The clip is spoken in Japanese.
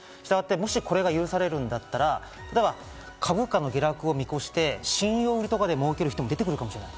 これが許されるのであれば、株価の下落を見越して信用売りとかで儲ける人も出てくるかもしれない。